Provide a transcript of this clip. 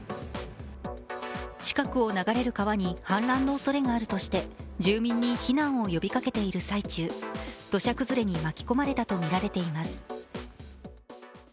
近くを流れる川に氾濫のおそれがあるとして住民に避難を呼びかけている最中、土砂崩れに巻き込まれたと見ています。